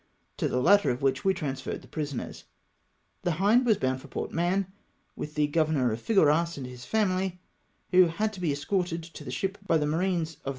to the latter of which we transferred the prisoners. The Hind was bound for Port Mahon with the Governor of Figueras and his family, who had to be escorted to the ship by the marines of the FORTEESS OF FIGUERAS.